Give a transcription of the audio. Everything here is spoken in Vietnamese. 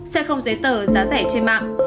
xe không giấy tờ giá rẻ trên mạng